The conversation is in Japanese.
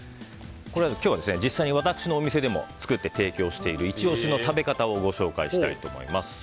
今日は実際に私のお店でも作って提供しているイチ押しの食べ方をご紹介したいと思います。